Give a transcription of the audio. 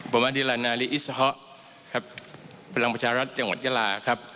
ประมาธิลานาลีอิสหะครับพลังประชารัฐจังหวัดยาลาครับ